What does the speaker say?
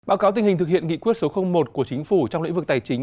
báo cáo tình hình thực hiện nghị quyết số một của chính phủ trong lĩnh vực tài chính